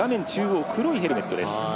黒いヘルメットです。